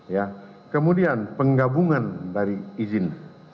ya kemudian penggabungan dari izin